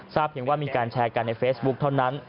เพียงว่ามีการแชร์กันในเฟซบุ๊คเท่านั้น